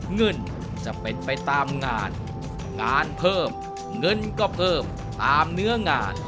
เงินจะเป็นไปตามงานงานเพิ่มเงินก็เพิ่มตามเนื้องาน